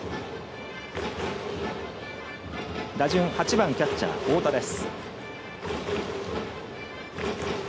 打順８番キャッチャー太田です。